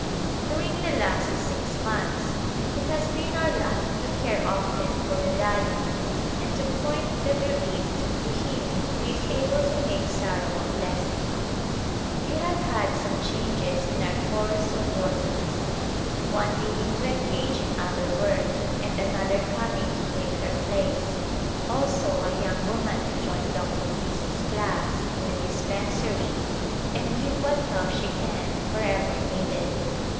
During the last six months it has been our lot to care often for the dying and to point the bereaved to Him who is able to make sorrow a blessing. We [.48] Decennial Conference at Calcutta have had some changes in our corps of workers, one leaving to engage in other work, and another coming to take her place, also a young woman to join Dr. Dease's class in the dispensary and give what help she can wherever needed.